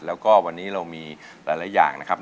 แล้วก็วันนี้เรามีหลายอย่างนะครับ